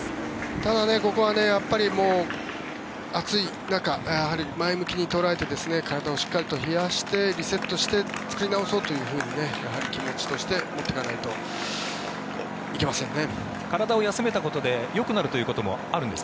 ただ、ここは暑い中前向きに捉えて体をしっかりと冷やしてリセットして作り直そうと仕切り直そうというふうに気持ちを持っていかないといけないです。